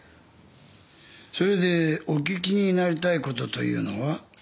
それでお聞きになりたいことというのは？